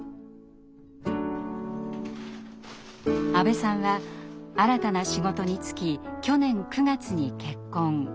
阿部さんは新たな仕事に就き去年９月に結婚。